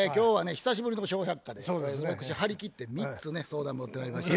久しぶりの「笑百科」で私張り切って３つね相談持ってまいりました。